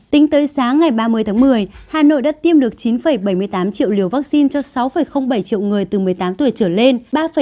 tính tới sáng ngày ba mươi tháng một mươi hà nội đã tiêm được chín bảy mươi tám triệu liều vaccine cho sáu bảy triệu người từ một mươi tám tuổi trở lên